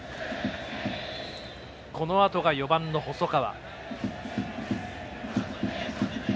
このあとが４番の細川。